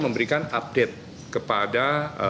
memberikan update kepada